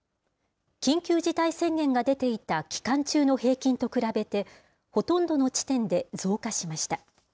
緊急事態宣言が出ていた期間中の平均と比べて、ほとんどの地点で増加しました。